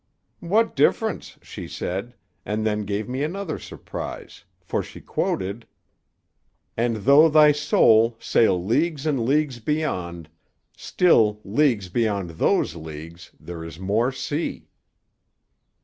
'—'What difference?' she said, and then gave me another surprise; for she quoted: "'And though thy soul sail leagues and leagues beyond— Still, leagues beyond those leagues, there is more sea.